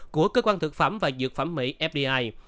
của cơ quan thực phẩm và dược phẩm mỹ